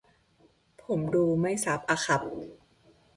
ผมดูไม่ซับอะครับ